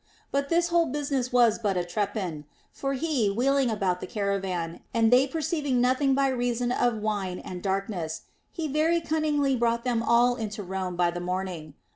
But this whole business was but a trepan ; for he wheeling about the caravan, and they perceiving nothing by reason of wine and darkness, he very cunningly brought them all into Rome by the morning.